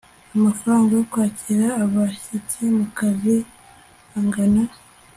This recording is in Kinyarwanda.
amafaranga yo kwakira abashyitsi mu kazi angana